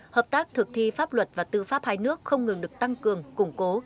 hợp tác thực thi pháp luật và tư pháp hai nước không ngừng được tăng cường củng cố